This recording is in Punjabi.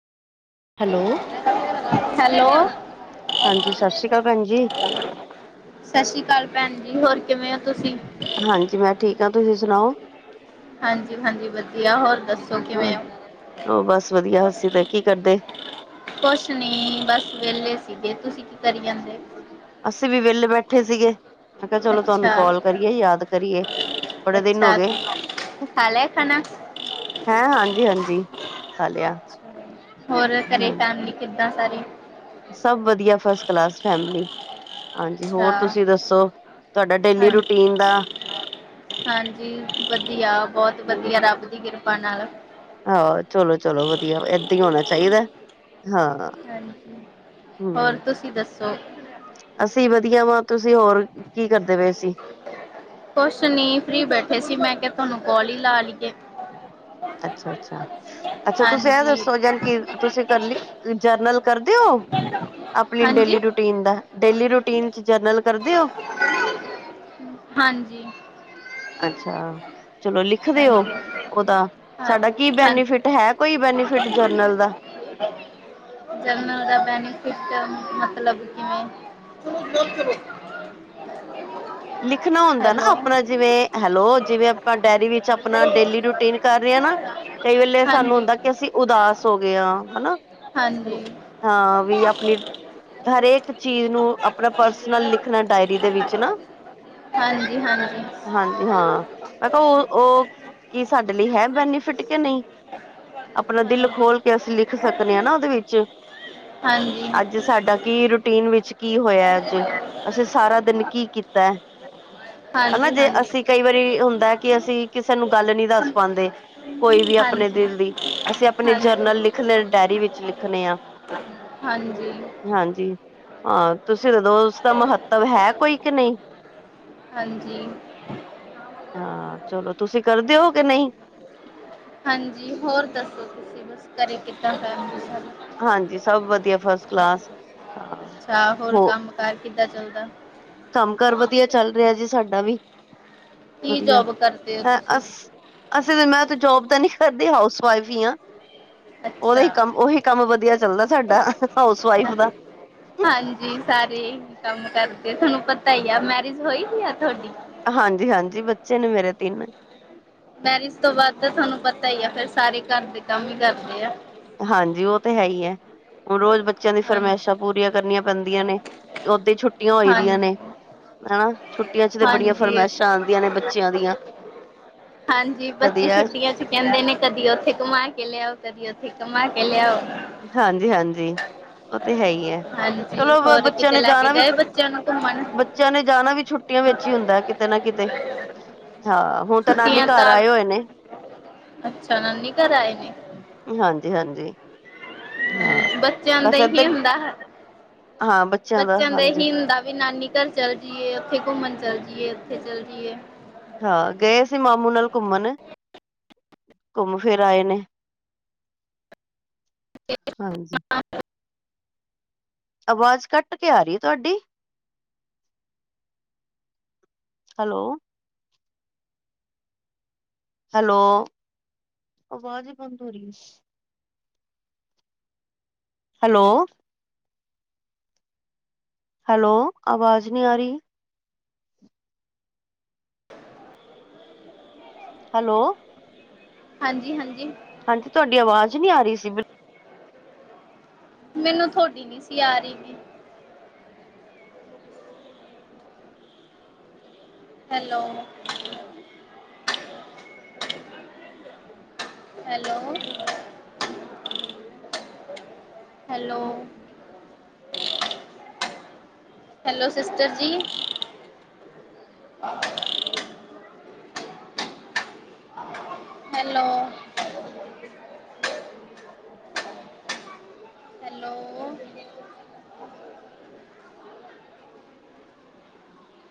ਹੈਲੋ। ਹੈਲੋ ਹਾਂਜੀ ਸਤਿ ਸ੍ਰੀ ਅਕਾਲ ਭੈਣ ਜੀ। ਸਤਿ ਸ੍ਰੀ ਅਕਾਲ ਭੈਣ ਜੀ ਹੋਰ ਕਿਵੇਂ ਹੋ ਤੁਸੀਂ? ਹਾਂਜੀ, ਮੈਂ ਠੀਕ ਹਾਂ ਤੁਸੀਂ ਸੁਣਾਓ? ਹਾਂਜੀ ਹਾਂਜੀ ਵਧੀਆ ਹੋਰ। ਦੱਸੋ ਹੋਰ ਕਿਵੇਂ ਹੋ ਹੋਰ ਬਸ ਵਧੀਆ ਅਸੀ ਤੇ ਕੀ ਕਰਦੇ? ਕੁਛ ਨੀ ਬਸ ਵਿਹਲੇ ਸੀਗੇ ਤੁਸੀਂ ਕੀ ਕਰੀ ਜਾਂਦੇ? ਅਸੀਂ ਵੀ ਵਿਹਲੇ ਬੈਠੇ ਸੀਗੇ। ਮੈਂ ਕਿਹਾ ਚਲੋ, ਤੁਹਾਨੂੰ ਅੱਛਾ ਕਾਲ ਕਰੀਏ ਯਾਦ ਕਰੀਏ ਬੜੇ ਦਿਨ ਹੋ ਅੱਛਾ ਗਏ। ਖਾ ਲਿਆ ਖਾਣਾ ਹੈਂ ਹਾਂਜੀ ਹਾਂਜੀ। ਖਾ ਲਿਆ ਹੋਰ ਘਰੇ ਹਾਂਜੀ ਫੈਮਲੀ ਕਿੱਦਾਂ ਸਾਰੀ? ਸਭ ਵਧੀਆ, ਫਸਟ ਕਲਾਸ ਫੈਮਲੀ ਹਾਂਜੀ ਅੱਛਾ ਹੋਰ ਤੁਸੀਂ ਦੱਸੋ? ਡੇਲੀ ਹਾਂਜੀ ਰੂਟੀਨ ਦਾ ਹਾਂਜੀ ਵਧੀਆ, ਬਹੁਤ ਵਧੀਆ, ਰੱਬ ਦੀ ਕਿਰਪਾ ਨਾਲ। ਆਹੋ, ਚਲੋ ਚਲੋ, ਵਧੀਆ ਏਦਾਂ ਹੀ ਹੋਣਾ ਚਾਹੀਦਾ ਹਾਂ। ਹਾਂਜੀ ਹੋਰ ਹਮ ਤੁਸੀਂ ਦੱਸੋ? ਅਸੀਂ ਵਧੀਆ ਵਾ ਤੁਸੀਂ ਹੋਰ ਕੀ ਕਰਦੇ ਪਏ ਸੀ? ਕੁਛ ਨੀ, ਫਰੀ ਬੈਠੇ ਸੀ, ਮੈਂ ਕਿਹਾ ਤੁਹਾਨੂੰ ਕੋਲ ਹੀ ਲਾ ਲਈਏ। ਅੱਛਾ ਅੱਛਾ ਅੱਛਾ ਤੁਸੀਂ ਇਹ ਹਾਂਜੀ ਦੱਸੋ ਯਾਨੀ ਕਿ ਤੁਸੀਂ ਕਰ ਲਈ ਜਰਨਲ ਕਰ। ਦਿਓ। ਆਪਣੀ ਹਾਂਜੀ ਡੇਲੀ ਰੂਟੀਨ ਦਾ ਡੇਲੀ ਰੂਟੀਨ 'ਚ ਜਰਨਲ ਕਰਦੇ ਹੋ। ਹਾਂਜੀ। ਅੱਛਾ। ਚਲੋ ਲਿਖਦੇ ਹੋ ਹਾਂਜੀ ਉਹਦਾ ਹਾਂ ਸਾਡਾ ਕੀ ਹਾਂ ਬੈਨੀਫਿਟ ਹੈ ਕੋਈ ਬੈਨੀਫਿਟ ਜਰਨਲ ਦਾ। [unintelligible] ਦਾ ਬੈਨਫਿਸਟ ਮਤਲਬ ਕਿਵੇਂ? ਲਿਖਣਾ ਹੁੰਦਾ ਨਾ ਹੈਲੋ ਆਪਣਾ ਜਿਵੇਂ ਹੈਲੋ ਜਿਵੇਂ ਆਪਾਂ ਡਾਇਰੀ ਵਿੱਚ ਆਪਣਾ ਡੇਲੀ ਰੂਟੀਨ ਕਰ ਰਹੇ। ਹੈ ਨਾ ਕਈ ਵੇਲੇ ਸਾਨੂੰ ਹਾਂਜੀ ਹੁੰਦਾ ਕਿ ਅਸੀਂ ਉਦਾਸ ਹੋ ਗਏ ਹਾਂ ਹੈ ਨਾ। ਹਾਂਜੀ ਹਾਂ ਵੀ ਆਪਣੀ ਹਰੇਕ ਚੀਜ਼ ਨੂੰ ਆਪਣਾ ਪਰਸਨਲ ਲਿਖਣਾ ਡਾਇਰੀ ਦੇ ਵਿੱਚ ਨਾ। ਹਾਂਜੀ ਹਾਂਜੀ ਹਾਂਜੀ ਹਾਂ, ਮੈਂ ਕਿਹਾ ਉਹ ਉਹ ਕੀ ਸਾਡੇ ਲਈ ਹੈ ਬੈਨੀਫਿਟ ਕਿ ਨਹੀਂ? ਆਪਣਾ ਦਿਲ ਖੋਲ ਕੇ ਅਸੀਂ ਲਿਖ ਸਕਨੇ ਆ ਨਾ ਉਹਦੇ ਵਿੱਚ। ਹਾਂ ਅੱਜ ਸਾਡਾ ਕੀ ਰੂਟੀਨ ਵਿੱਚ ਕੀ ਹੋਇਆ ਅੱਜ ਅਸੀਂ ਸਾਰਾ ਦਿਨ ਕੀ ਕੀਤਾ [unintelligible] ਹਨਾ ਹਾਂਜੀ ਹਾਂਜੀ ਜੇ ਹਾਂਜੀ ਅਸੀਂ ਕਈ ਵਾਰੀ ਹੁੰਦਾ ਕਿ ਅਸੀਂ ਕਿਸੇ ਨੂੰ ਗੱਲ ਨਹੀਂੀ ਦੱਸ ਪਾਉਂਦੇ ਕੋਈ ਵੀ ਆਪਣੇ ਹਾਂਜੀ ਦਿਲ ਦੀ ਅਸੀਂ ਆਪਣੇ ਜਰਨਲ ਲਿਖ ਲ ਡਾਇਰੀ ਵਿੱਚ ਲਿਖਣੇ ਆ ਹਾਂਜੀ ਹਾਂਜੀ ਹਾਂ ਤੁਸੀਂ ਜਦੋਂ ਉਸਦਾ ਮਹੱਤਵ ਹੈ ਕੋਈ ਕਿ ਨਹੀਂ ਹਾਂਜੀ ਹਾਂ ਚਲੋ ਤੁਸੀਂ ਕਰਦੇ ਹੋ ਕਿ ਨਹੀਂ ਹਾਂਜੀ ਹੋਰ ਦੱਸੋ ਤੁਸੀਂ ਬਸ ਕਰਰੇ ਕਿੱਦਾਂ ਕਰ ਹਾਂਜੀ ਸਭ ਵਧੀਆ ਫਸਟ ਕਲਾਸ ਹਾਂ ਅੱਛਾ ਹੋਰ ਹੋ ਕੰਮ ਕਾਰ ਕਿੱਦਾਂ ਚੱਲਦਾ ਕੰਮ ਕਾਰ ਵਧੀਆ ਚੱਲ ਰਿਹਾ ਜੀ ਸਾਡਾ ਵੀ ਕੀ ਵਧੀਆ ਜੋਬ ਕਰਦੇ ਹੋ ਅ ਤੁਸੀਂ ਅਸੀਂ ਮੈਂ ਤੇ ਜੋਬ ਤਾਂ ਨਹੀਂੀ ਕਰਦੇ ਹਾਸ ਵਇਫ ਆ ਉਹਦਾ ਅੱਛਾ ਹੀ ਕੰਮ ਉਹੀ ਕੰਮ ਵਧੀਆ ਚੱਲਦਾ ਸਾਡਾ ਹਾਊਸ ਵਾਈਫ ਦਾ ਹਾਂਜੀ ਸਾਰੇ ਕੰਮ ਕਰਦੇ ਤੁਹਾਨੂੰ ਪਤਾ ਹੀ ਆ ਮੈਰਿਜ ਹੋਈ ਹੀ ਆ ਤੁਹਾਡੀ ਹਾਂਜੀ ਹਾਂਜੀ ਬੱਚੇ ਨੇ ਮੇਰੇ ਤਿੰਨ ਮੈਰਿਜ ਤੋਂ ਬਾਅਦ ਤੁਹਾਨੂੰ ਪਤਾ ਹੀ ਆ ਫਿਰ ਸਾਰੇ ਘਰ ਦੇ ਕੰਮ ਹੀ ਕਰਦੇ ਆ ਹਾਂਜੀ ਉਹ ਤੇ ਹੈ ਹੀ ਹੈ ਹੁਣ ਰੋਜ਼ ਬੱਚਿਆਂ ਦੀ ਹਾਂਜੀ ਫਰਮਾਇਸ਼ਾਂ ਪੂਰੀਆਂ ਕਰਨੀਆਂ ਬੰਦੀਆਂ ਨੇ ਓਦ ਛੁੱਟੀਆਂ ਹੋਈ ਦੀਆਂ ਹਾਂਜੀ ਨੇ ਹਨਾ ਛੁੱਟੀਆਂ ਚ ਤੇ ਬੜੀਆਂ ਹਾਂਜੀ ਫਰਮਾਇਸ਼ਾਂ ਆਉਂਦੀਆਂ ਨੇ ਬੱਚਿਆਂ ਦੀਆਂ ਹਾਂਜੀ ਕਦੀ ਬੱਚੇ ਇਹ ਛੁੱਟੀਆਂ ਚ ਕਹਿੰਦੇ ਨੇ ਕਦੀ ਉੱਥੇ ਘੁਮਾ ਕੇ ਲਿਆਓ ਕਦੀ ਠੀਕ ਮ ਕੇਲੇ ਆਓ ਹਾਂਜੀ ਹਾਂਜੀ, ਉਹ ਤੇ ਹੈ ਹੀ ਹੈ ਹਾਂਜੀ ਚਲੋ ਹੋਰ ਬੱਚਿਆਂ ਕਿਤੇ ਨੇ ਲੈ ਕੇ ਜਾਣਾ ਵੀ। ਗਏ ਬੱਚਿਆਂ ਨੂੰ ਘੁੰਮਣ ਬੱਚਿਆਂ ਨੇ ਜਾਣਾ ਵੀ ਛੁੱਟੀਆਂ ਵਿੱਚ ਹੀ ਹੁੰਦਾ ਕਿਤੇ ਨਾ ਕਿਤੇ ਹਾਂ ਹੁਣ ਤਾਂ ਨਾਨੀ ਛੁੱਟੀਆਂ ਘਰ ਤਾਂ ਆਏ ਹੋਏ ਨੇ ਅੱਛਾ ਨਾ ਹਾਂਜੀ ਹਾਂਜੀ ਹਾਂ ਬੱਚਿਆਂ ਦਾ ਬਸ ਇਹੀ ਇੱਧਰ ਹੁੰਦਾ ਹਾਂ ਦਾ ਬੱਚਿਆਂ ਦੇ ਹਾਂਜੀ ਹੀ ਹੁੰਦਾ ਵੀ ਨਾਨੀ ਜਧਰ ਚੱਲ ਜਾਈਏ ਇੱਥੇ ਘੁੰਮਣ ਚੱਲ ਜਾਈਏ ਉੱਥੇ ਚੱਲ ਜਾਈਏ ਹ ਗਏ ਸੀ ਮਾਮੂ ਨਾਲ ਘੁੰਮਣ ਘੁੰਮ ਫਿਰ ਆਏ ਨੇ ਹਾਂਜੀ ਆਵਾਜ਼ ਕੱਟ ਕੇ ਆ ਰੀਏ ਤੁਹਾਡੀ। ਹੈਲੋ। ਹੈਲੋ, ਆਵਾਜ਼ ਹੀ ਬੰਦ ਹੋ ਰੀ ਏ। ਹੈਲੋ। ਹੈਲੋ, ਆਵਾਜ਼ ਨੀ ਆ ਰੀ। ਹੈਲੋ। ਹਾਂਜੀ ਹਾਂਜੀ। ਹਾਂਜੀ, ਤੁਹਾਡੀ ਆਵਾਜ਼ ਨੀ ਆ ਰੀ ਸੀ, ਬਿਲ ਮੈਨੂੰ ਥੋਡੀ ਨੀ ਸੀ ਆ ਰੀ ਗੀ। Hello. Hello. Hello. Hello, sister ਜੀ। ਹੈਲੋ। ਹੈਲੋ